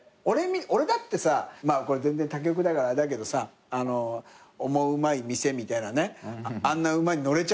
俺だってさこれ全然他局だからあれだけどさ『オモウマい店』みたいなねあんな馬に乗れちゃうわけだから。